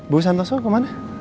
bu santoso kemana